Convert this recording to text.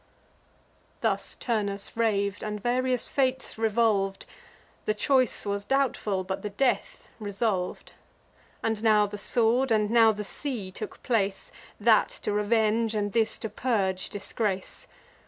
Thus Turnus rav'd, and various fates revolv'd: The choice was doubtful, but the death resolv'd. And now the sword, and now the sea took place, That to revenge, and this to purge disgrace.